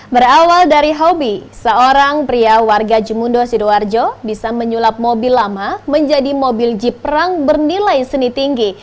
berawal dari hobi seorang pria warga jemundo sidoarjo bisa menyulap mobil lama menjadi mobil jeep perang bernilai seni tinggi